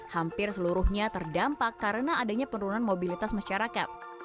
hampir seluruhnya terdampak karena adanya penurunan mobilitas masyarakat